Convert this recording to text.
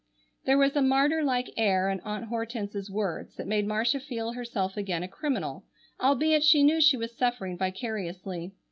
There was a martyr like air in Aunt Hortense's words that made Marcia feel herself again a criminal, albeit she knew she was suffering vicariously.